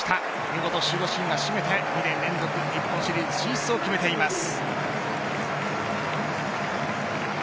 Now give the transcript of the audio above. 見事、守護神が締めて２年連続日本シリーズ進出を決めています。